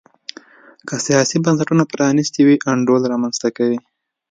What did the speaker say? که سیاسي بنسټونه پرانیستي وي انډول رامنځته کوي.